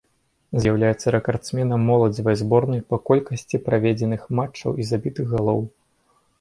З'яўляецца рэкардсменам моладзевай зборнай па колькасці праведзеных матчаў і забітых галоў.